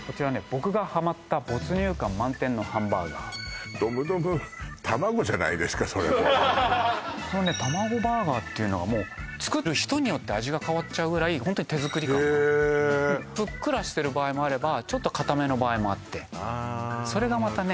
僕がハマった没入感満点のハンバーガードムドムたまごじゃないですかそれもうこのねたまごバーガーっていうのがもう作る人によって味が変わっちゃうぐらいホントに手作り感がへえーぷっくらしてる場合もあればちょっとかための場合もあってそれがまたね